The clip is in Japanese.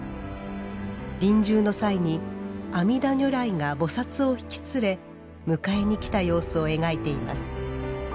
臨終の際に阿弥陀如来が菩薩を引き連れ迎えに来た様子を描いています。